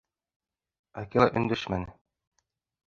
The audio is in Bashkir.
Акела өндәшмәне.